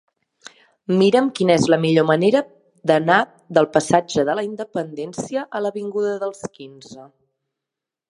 Mira'm quina és la millor manera d'anar del passatge de la Independència a l'avinguda dels Quinze.